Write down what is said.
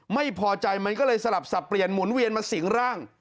ไม่พอใจมันก็เลยสลับสับเปลี่ยนหมุนเวียนมาสิงร่าง